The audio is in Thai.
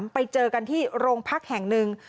ไปเจอกันที่โรงพักแห่งหนึ่ง